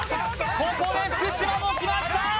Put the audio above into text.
ここで福島もきました